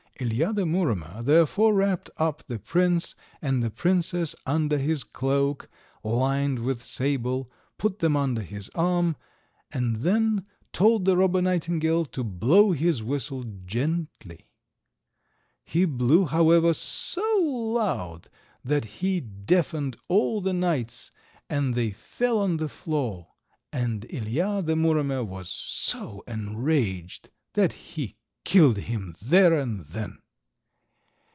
Ilija, the Muromer, therefore wrapped up the prince and the princess under his cloak, lined with sable, put them under his arm, and then told the Robber Nightingale to blow his whistle gently. He blew, however, so loud that he deafened all the knights and they fell on the floor, and Ilija, the Muromer, was so enraged that he killed him there and then.